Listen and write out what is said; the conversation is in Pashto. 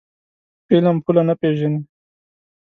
علم پوله نه پېژني.